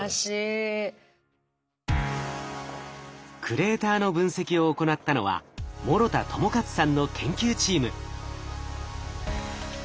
クレーターの分析を行ったのは諸田智克さんの研究チーム。